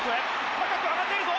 高く上がっているぞ。